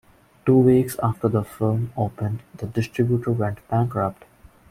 Two weeks after the film opened, the distributor went bankrupt.